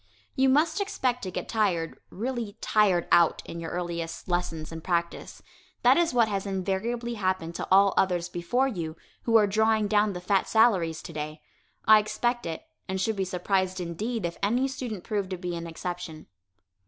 You must expect to get tired, really "tired out," in your earliest lessons and practice. That is what has invariably happened to all others before you, who are drawing down the fat salaries today. I expect it, and should be surprised indeed if any student proved to be an exception.